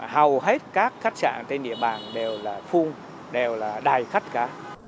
hầu hết các khách sạn trên địa bàn đều là phun đều là đài khách cả